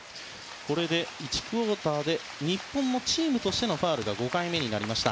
これで１クオーターで日本のチームとしてのファウルが５回目になりました。